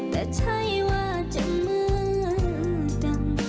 แต่ใช่ว่าจะเหมือนดัง